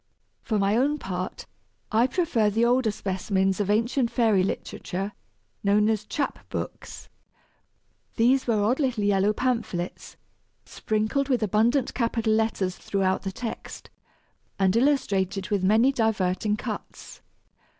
For my own part, I prefer the older specimens of ancient fairy literature known as chap books. These were odd little yellow pamphlets, sprinkled with abundant capital letters throughout the text, and "Illustrated with many diverting cutts!"